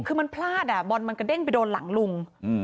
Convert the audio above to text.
คือมันพลาดบอลมันกระเด้งไปโดนหลังลุง